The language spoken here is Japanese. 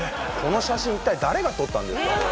この写真一体誰が撮ったんですか？